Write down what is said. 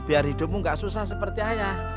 biar hidupmu gak susah seperti ayah